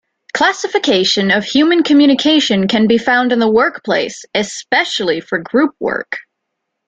Classification of human communication can be found in the workplace, especially for group work.